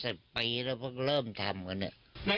มันเป็น๑๐ปีแล้วเพิ่งเริ่มทำกันเนี่ย